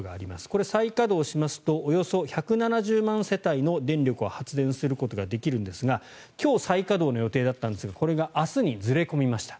これは再稼働しますとおよそ１７０万世帯の電力を発電することができるんですが今日、再稼働の予定だったんですがこれが明日にずれ込みました。